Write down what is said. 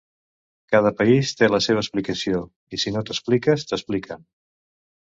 Cada país té la seva explicació i si no t'expliques, t'expliquen.